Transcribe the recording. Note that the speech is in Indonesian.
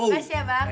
terima kasih ya bang